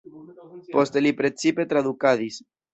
Poste li precipe tradukadis.